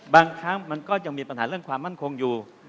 บางครั้งมันก็ยังมีปัญหาเรื่องความมั่นคงอยู่